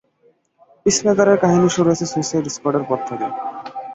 পিসমেকারের কাহিনী শুরু হয়েছে সুইসাইড স্কোয়াডের পর থেকেই।